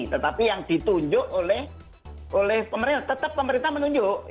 tetapi yang ditunjuk oleh pemerintah tetap pemerintah menunjuk